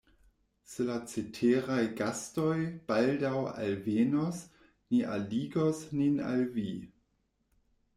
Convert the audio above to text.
Se la ceteraj gastoj baldaŭ alvenos, ni aligos nin al vi.